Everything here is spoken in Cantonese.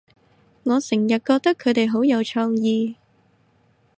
我成日覺得佢哋好有創意